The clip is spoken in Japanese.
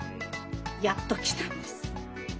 やっと来たんです。